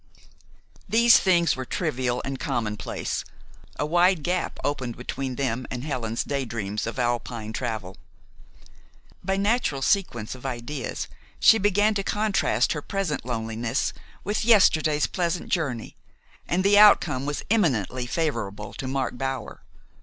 These things were trivial and commonplace; a wide gap opened between them and Helen's day dreams of Alpine travel. By natural sequence of ideas she began to contrast her present loneliness with yesterday's pleasant journey, and the outcome was eminently favorable to Mark Bower.